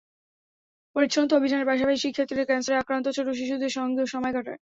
পরিচ্ছন্নতা অভিযানের পাশাপাশি শিক্ষার্থীরা ক্যানসারে আক্রান্ত ছোট শিশুদের সঙ্গেও সময় কাটায়।